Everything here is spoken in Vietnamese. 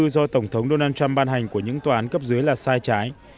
do tổng thống donald trump ban hành của những tòa án cấp dưới là sai trái